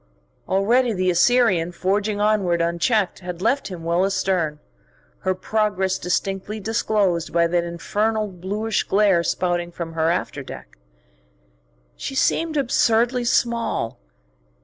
Already the Assyrian, forging onward unchecked, had left him well astern, her progress distinctly disclosed by that infernal bluish glare spouting from her after deck. She seemed absurdly small.